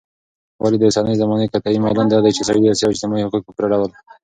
ولي داوسنۍ زماني قطعي ميلان دادى چې سياسي او اجتماعي حقوق په پوره ډول